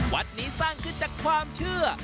วัดนี้สร้างขึ้นจากความเชื่อ